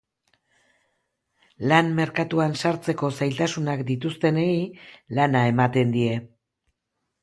Lan merkatuan sartzeko zailtasunak dituztenei lana emeten die.